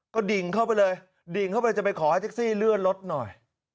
ก็ดิ่งเข้าไปเลยดิ่งเข้าไปจะไปขอให้แท็กซี่เลื่อนรถหน่อย